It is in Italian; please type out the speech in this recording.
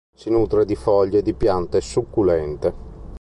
Si nutre di foglie di piante succulente.